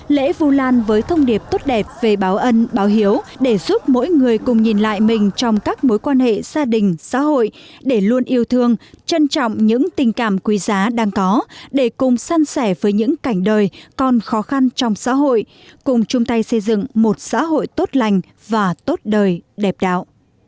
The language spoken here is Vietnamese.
lễ vu lan với thông điệp tốt đẹp về báo ân báo hiếu để giúp mỗi người cùng nhìn lại mình trong các mối quan hệ gia đình xã hội để luôn yêu thương trân trọng những tình cảm quý giá đang có để cùng săn sẻ với những cảnh đời còn khó khăn trong xã hội cùng chung tay xây dựng một xã hội tốt lành và tốt đời đẹp đạo